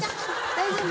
大丈夫？